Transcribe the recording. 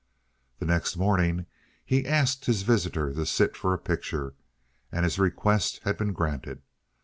The next morning he had asked his visitor to sit for a picture, and his request had been granted.